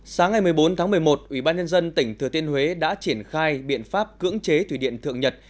sáng ngày một mươi bốn tháng một mươi một ubnd tỉnh thừa tiên huế đã triển khai biện pháp cưỡng chế thủy điện thượng nhật